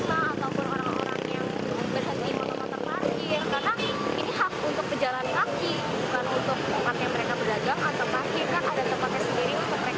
kan ada tempatnya sendiri untuk mereka parkir ataupun pedagang